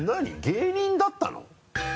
芸人だったの？